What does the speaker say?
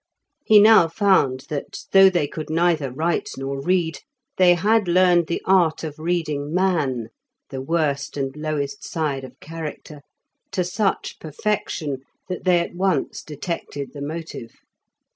He now found that, though they could neither writer nor read, they had learned the art of reading man (the worst and lowest side of character) to such perfection that they at once detected the motive.